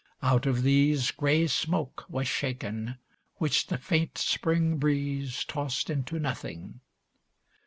Out of these Grey smoke was shaken, which the faint Spring breeze Tossed into nothing.